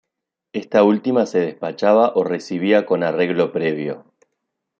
Esta última se despachaba o recibía con arreglo previo.